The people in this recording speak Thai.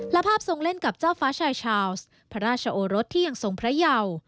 และภาพทรงเล่นกับเจ้าฟ้าชายชาวส์พระราชโอรสที่ยังทรงพระเยา